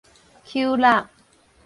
搝搦